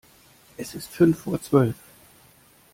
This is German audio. Es ist fünf vor zwölf.